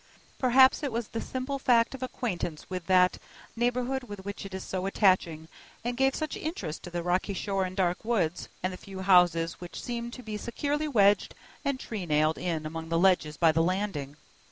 Perhaps it was the simple fact of acquaintance with that neighborhood which made it so attaching, and gave such interest to the rocky shore and dark woods, and the few houses which seemed to be securely wedged and tree nailed in among the ledges by the Landing.